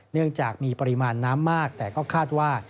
เนื่องจากมีปริมาณน้ำมากแต่ก็คาดว่า